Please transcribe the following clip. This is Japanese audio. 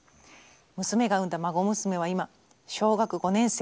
娘が産んだ孫娘は今小学５年生。